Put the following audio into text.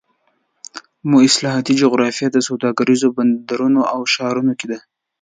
مواصلاتي جغرافیه د سوداګریزو بندرونو او ښارونو کې ده.